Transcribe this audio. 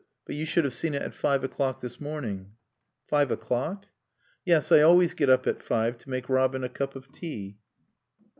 But you should have seen it at five o'clock this morning." "Five o'clock?" "Yes. I always get up at five to make Robin a cup of tea."